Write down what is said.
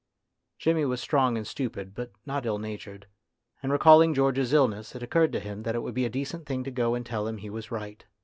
Jimmy was strong and stupid, but not ill natured, and, recalling George's illness, it occurred to him that it would be a decent thing to go and tell him he was right.